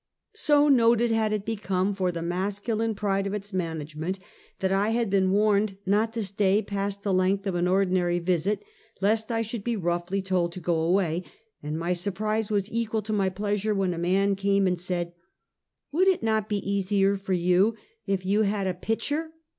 So noted had it become for the masculine pride of its management, that I had been warned not to stay past the length of an ordinary visit, lest I should be roughly told to go away; and my surprise was equal to my pleasure, when a man came and said: " Would it not be easier for you if you had a pitch er?"